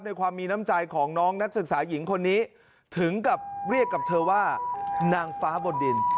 ในความมีน้ำใจของน้องนักศึกษาหญิงคนนี้ถึงกับเรียกกับเธอว่านางฟ้าบนดิน